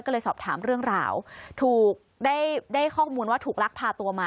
ก็เลยสอบถามเรื่องราวถูกได้ข้อมูลว่าถูกลักพาตัวมา